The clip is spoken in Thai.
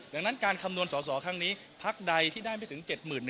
ดังนั้นการคำนวณสอสอครั้งนี้พักใดที่ได้ไม่ถึง๗๑๐๐